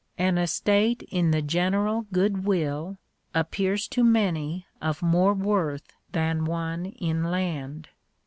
An estate in the general good will, appears to many of more worth than one in land.